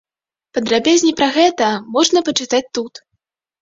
Падрабязней пра гэта можна пачытаць тут.